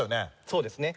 そうですね。